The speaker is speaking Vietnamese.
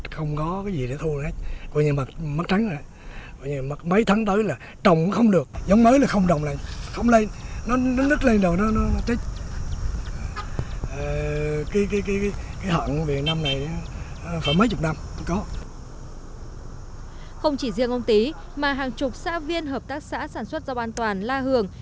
không chỉ riêng ông tý mà hàng chục xã viên hợp tác xã sản xuất rau an toàn la hường